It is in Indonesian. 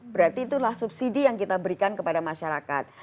berarti itulah subsidi yang kita berikan kepada masyarakat